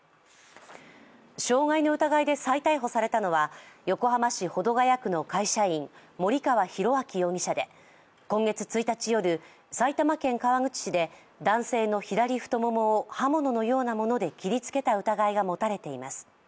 傷害の疑いで再逮捕されたのは横浜市保土ケ谷区の会社員、森川浩昭容疑者で今月１日夜、埼玉県川口市で男性の左太ももを刃物のようなもので切りつけた疑いが持たれています。